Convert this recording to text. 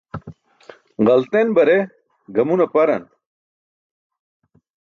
Ġalten bare gamun aparan.